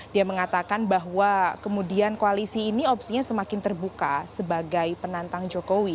dia mengatakan bahwa kemudian koalisi ini opsinya semakin terbuka sebagai penantang jokowi